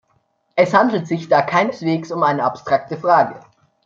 Es handelt sich da keineswegs um eine abstrakte Frage.